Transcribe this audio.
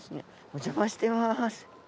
お邪魔してます。